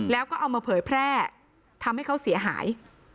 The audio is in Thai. แล้วก็เอามาเผยแพร่ทำให้เขาเสียหาย